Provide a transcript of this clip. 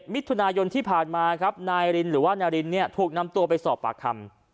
มิถุนายนที่ผ่านมาครับนายรินหรือว่านารินเนี่ยถูกนำตัวไปสอบปากคำ